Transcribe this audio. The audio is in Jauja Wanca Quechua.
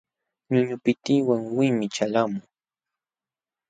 Ñuñupitiy wawinmi ćhalqamun.